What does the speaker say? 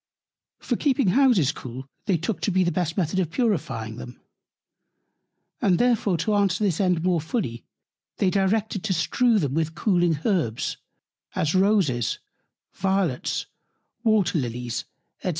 For keeping Houses cool, they took to be the best Method of purifying them; and therefore to answer this End more fully, they directed to strew them with cooling Herbs, as Roses, Violets, Water Lillies, &c.